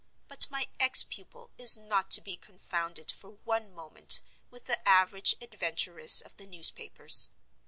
But my ex pupil is not to be confounded for one moment with the average adventuress of the newspapers.